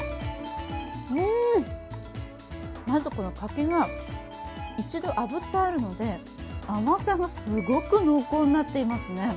うん、まずこの柿が一度あぶってあるので甘さがすごく濃厚になっていますね。